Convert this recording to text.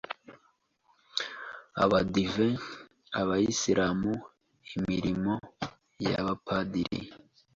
abadive, abayisilamu, imirimo y’abapadiri,